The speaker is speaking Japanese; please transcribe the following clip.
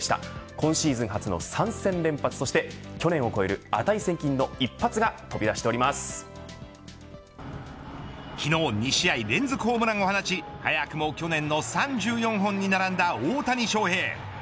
今シーズン初の３戦連発そして去年を超える値千金の昨日２試合連続ホームランを放ち早くも去年の３４本に並んだ大谷翔平。